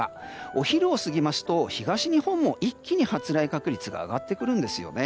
お昼を過ぎますと東日本も一気に発雷確率が上がってくるんです。